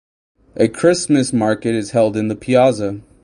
A Christmas market is held in the piazza.